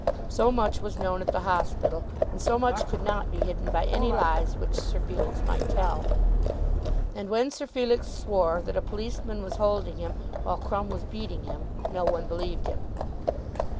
So much was known at the hospital, and so much could not be hidden by any lies which Sir Felix might tell. And when Sir Felix swore that a policeman was holding him while Crumb was beating him, no one believed him.